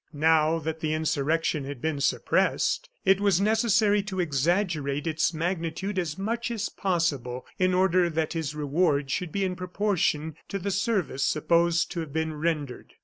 Now that the insurrection had been suppressed, it was necessary to exaggerate its magnitude as much as possible, in order that his reward should be in proportion to the service supposed to have been rendered.